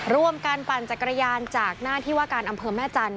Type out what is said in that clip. ร่วมกันปั่นจักรยานจากหน้าที่ว่าการอำเภอแม่จันท